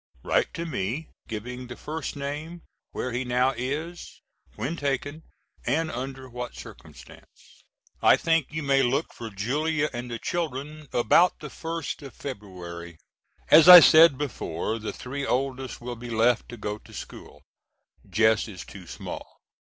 Write to me giving the first name, where he now is, when taken and under what circumstances. I think you may look for Julia and the children about the 1st of February. As I said before the three oldest will be left to go to school. Jess is too small.